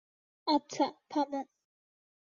আচ্ছা, থামো।